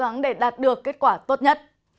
chúng tôi sẽ cố gắng để đạt được kết quả tốt nhất